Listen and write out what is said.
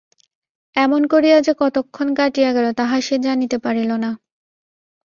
এমন করিয়া যে কতক্ষণ কাটিয়া গেল তাহা সে জানিতে পারিল না।